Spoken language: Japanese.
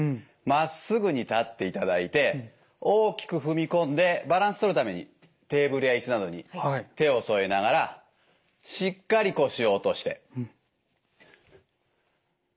まっすぐに立っていただいて大きく踏み込んでバランスとるためにテーブルやいすなどに手を添えながらしっかり腰を落として戻ります。